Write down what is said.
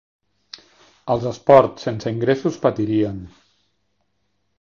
Els esports sense ingressos patirien.